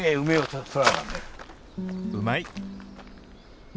うまい！